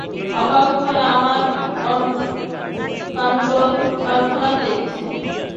অবাক হয়ে আমার কাণ্ডকারখানা দেখছে।